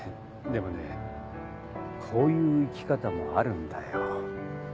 でもねこういう生き方もあるんだよ。